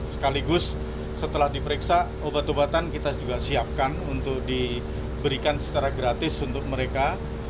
sekaligus setelah diperiksa obat obatan kita juga siapkan untuk diberikan secara gratis untuk mereka